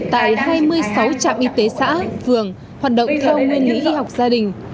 tại hai mươi sáu trạm y tế xã vườn hoạt động theo nguyên nghĩa y học gia đình